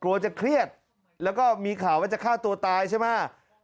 กลัวจะเครียดแล้วก็มีข่าวว่าจะฆ่าตัวตายใช่ไหม